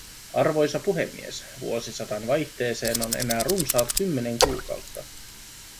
Arvoisa puhemies, vuosisadan vaihteeseen on enää runsaat kymmenen kuukautta.